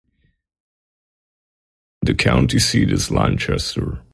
The county seat is Lancaster.